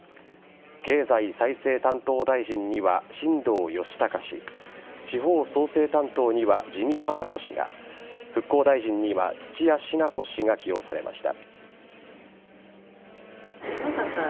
経済再生担当大臣には新藤義孝氏地方創生担当には自見英子氏が復興大臣には土屋品子氏が起用されました。